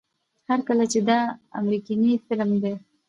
هر کله چې دا امريکنے فلم دے